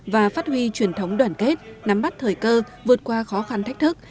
và phát huy truyền thống đoàn kết nắm bắt thời cơ vượt qua khó khăn thách thức